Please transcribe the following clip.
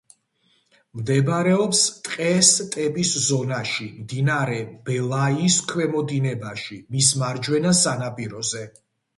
მდებარეობს ტყე-სტეპის ზონაში, მდინარე ბელაიის ქვემო დინებაში, მის მარჯვენა სანაპიროზე.